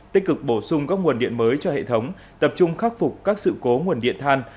tích cực bổ sung các nguồn điện mới cho hệ thống tập trung khắc phục các sự cố nguồn điện than